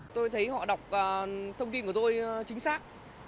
tôi thấy họ đọc thông tin của tôi chính xác